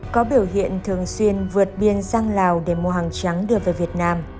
có biểu hiện thường xuyên vượt biên sang lào để mua hàng trắng đưa về việt nam